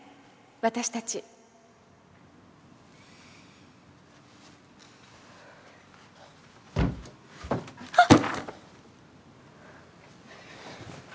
私たちあっ！